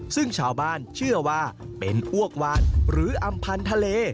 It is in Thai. ซึ่งชาวบ้านเชื่อว่าเป็นอ้วกวานหรืออำพันธ์ทะเล